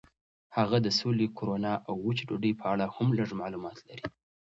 هغه د سولې، کرونا او وچې ډوډۍ په اړه هم لږ معلومات لري.